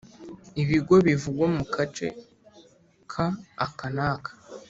Ibigo bivugwa mu gace ka aka n aka